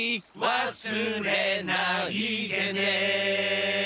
「忘れないでね」